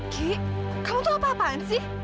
ki kau tuh apa apaan sih